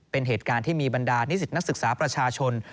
เป็นเหตุการณ์ที่มีบรรดานิสิตนักศึกษาประชาชน